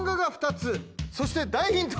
そして大ヒント。